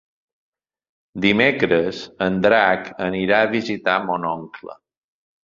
Dimecres en Drac anirà a visitar mon oncle.